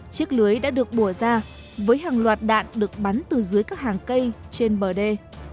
chiếc lưới đã được bùa ra với hàng loạt đạn được bắn từ dưới các hàng cây trên bờ đê